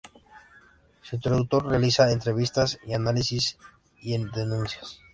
Su conductor realiza entrevistas, análisis y denuncias.